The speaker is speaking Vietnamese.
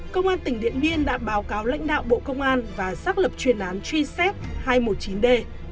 công an tỉnh điện biên đã báo cáo lãnh đạo bộ công an và xác lập chuyên án truy xét hai trăm một mươi chín d